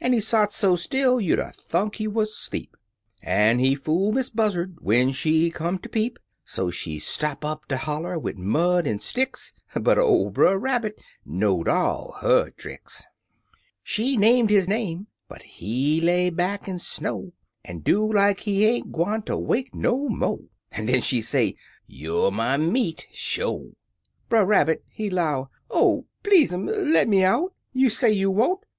An' he sot so still, you'd 'a' thunk he wuz 'sleep, An' he fool Miss Buzzard when she come ter peep; So she stop up de holler wid mud an' sticks — But ol' Brer Rabbit know'd all er her tricks. She named his name, but he lay back an' sno'. An' do like he ain't gwtneter wake no mo'. An' den she say, "You're my meat, sho!" Brer Rabbit he 'low, " Oh, please, 'm, le' me outi You say you won't